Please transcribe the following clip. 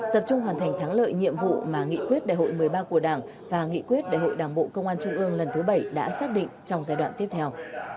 tập trung hoàn thành thắng lợi nhiệm vụ mà nghị quyết đại hội một mươi ba của đảng và nghị quyết đại hội đảng bộ công an trung ương lần thứ bảy đã xác định trong giai đoạn tiếp theo